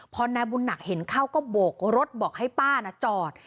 พอนายบุญหนักเห็นเข้าก็โบกรถบอกให้ป้านะจอด